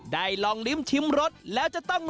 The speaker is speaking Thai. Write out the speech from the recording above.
ลองลิ้มชิมรสแล้วจะต้อง